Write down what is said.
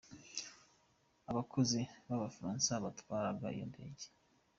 Abakozi b’abafaransa batwaraga iyo ndege :